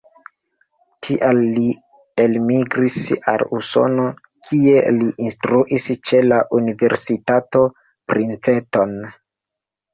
Tial li elmigris al Usono, kie li instruis ĉe la universitato Princeton.